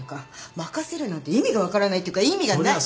任せるなんて意味が分からないっていうか意味がない。